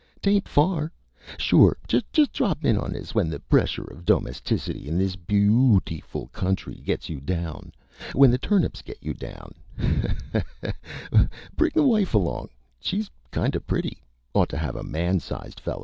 Tain't far. Sure just drop in on us when the pressure of domesticity in this beootiful country gets you down.... When the turnips get you down! Haw haw haw! Bring the wife along.... She's kinda pretty. Ought to have a man size fella....